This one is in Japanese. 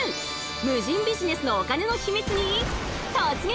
無人ビジネスのお金のヒミツに突撃！